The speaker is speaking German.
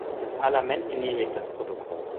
Das Parlament genehmigtdas Protokoll.